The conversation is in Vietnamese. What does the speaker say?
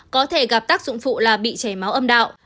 có thể gặp tác dụng phụ là bị chảy máu âm đạo